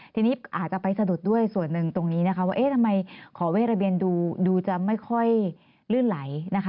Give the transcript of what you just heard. ทีนี้อาจจะไปสะดุดด้วยส่วนหนึ่งตรงนี้นะคะว่าเอ๊ะทำไมขอเวทระเบียนดูจะไม่ค่อยลื่นไหลนะคะ